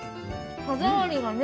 歯触りがね